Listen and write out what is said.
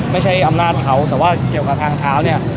ไม่ใช่อำนาจเขาแต่ว่าเกี่ยวกับทางเท้าเนี่ย